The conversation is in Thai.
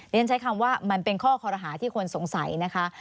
ฉันใช้คำว่ามันเป็นข้อคอรหาที่คนสงสัยนะคะ